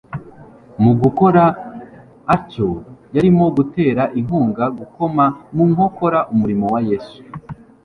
Mu gukora atyo yarimo gutera inkunga gukoma mu nkokora umurimo wa Yesu.